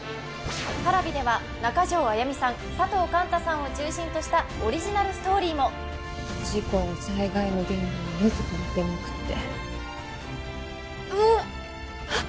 Ｐａｒａｖｉでは中条あやみさん佐藤寛太さんを中心としたオリジナルストーリーも事故や災害の現場に自ら出向くってうおっはっ